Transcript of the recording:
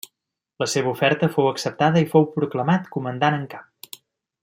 La seva oferta fou acceptada i fou proclamat comandant en cap.